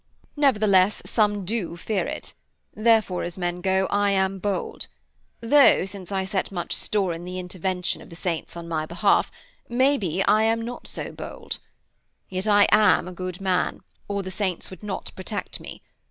Nevertheless some do fear it; therefore, as men go, I am bold; tho', since I set much store in the intervention of the saints on my behalf, may be I am not so bold. Yet I am a good man, or the saints would not protect me.